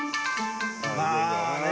まあね